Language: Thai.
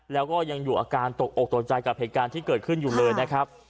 แล้วก็ยังอยู่อาการตกอกตกใจกับเหตุการณ์ที่เกิดขึ้นอยู่เลยนะครับ